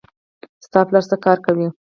ستا پلار څه کار کوي